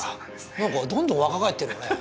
何かどんどん若返ってるよね。